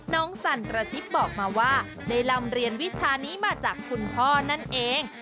สั่นกระซิบบอกมาว่าได้ลำเรียนวิชานี้มาจากคุณพ่อนั่นเอง